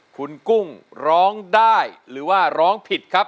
คุณกุ้งร้องได้หรือว่าร้องผิดครับ